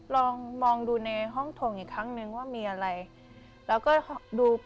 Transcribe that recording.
ลองมองดูในห้องถงอีกครั้งนึงว่ามีอะไรแล้วก็ดู